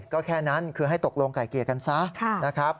ก็แค่นั้นคือให้ตกลงไก่เกลี่ยกันซะนะครับ